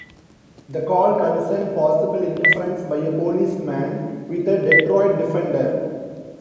The call concerned possible interference by a policeman with a Detroit defender.